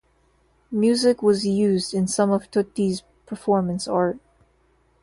Music was used in some of Tutti's performance art.